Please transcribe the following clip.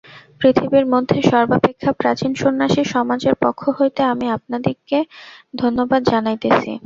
পৃথিবীর মধ্যে সর্বাপেক্ষা প্রাচীন সন্ন্যাসি-সমাজের পক্ষ হইতে আমি আপনাদিগকে ধন্যবাদ জানাইতেছি।